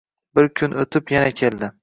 Bir kun utib yana keldi